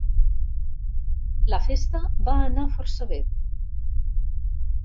La festa va anar força bé.